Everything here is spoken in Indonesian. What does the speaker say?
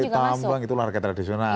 tarik tambang itu lorga tradisional